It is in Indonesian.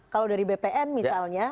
kalau dari bpn misalnya